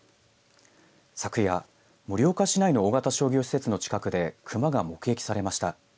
昨夜、盛岡市内の大型商業施設の近くでクマが目撃されました。